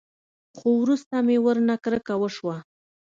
خو وروسته مې ورنه کرکه وسوه.